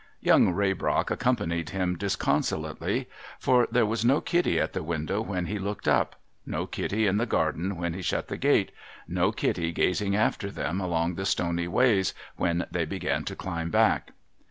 Young Raybrock accompanied him disconsolately ; for there was no Kitty at the window when he looked up, no Kitty in the garden when he shut the gate, no Kitty gazing after them along the stony ways when they began to climb back.